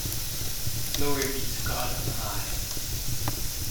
Glory be to God on high.